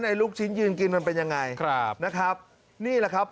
ลูกชิ้นยืนกินมันเป็นยังไงครับนะครับนี่แหละครับ